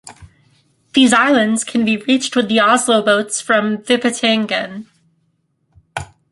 These islands can be reached with the Oslo-boats from Vippetangen.